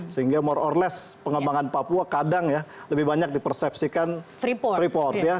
sehingga more or less pengembangan papua kadang ya lebih banyak dipersepsikan freeport ya